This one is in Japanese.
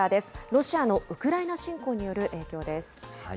ロシアのウクライナ侵攻による影響です。